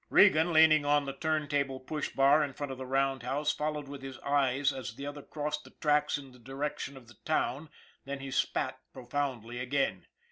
Regan, leaning on the turntable push bar in front of the roundhouse, followed with his eyes as the other crossed the tracks in the direction of the town, then he spat profoundly again.